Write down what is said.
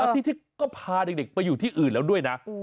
ที่ก็พาเด็กไปอยู่ที่อื่นแล้วด้วยนะ